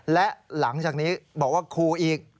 และหลังจากนี้บอกว่าคู่อีก